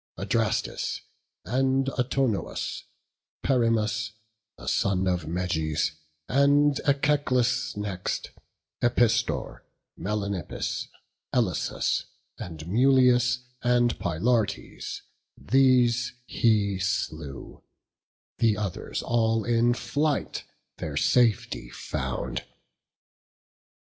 Adrastus, and Autonous, Perimus The son of Meges, and Echeclus next; Epistor, Melanippus, Elasus, And Mulius, and Pylartes; these he slew; The others all in flight their safety found.